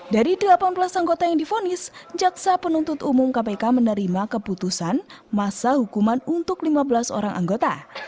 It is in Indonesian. dari delapan belas anggota yang difonis jaksa penuntut umum kpk menerima keputusan masa hukuman untuk lima belas orang anggota